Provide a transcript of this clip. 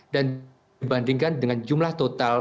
dan dibandingkan dengan jumlah total covid sembilan belas